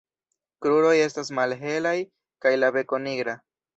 Kruroj estas malhelaj kaj la beko nigra.